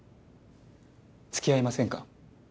つきあいませんか？